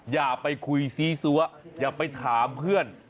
อย่าไปคุยซีซัวอย่าไปถามเพื่อน